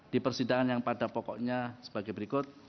di persidangan yang pada pokoknya sebagai berikut